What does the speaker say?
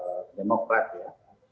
dengan demokrat ya